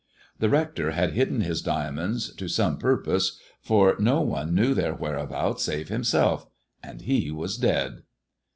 The Hector had hidden his diamonds to some purpose, for no one knew their whereabouts save himself — and he was dead.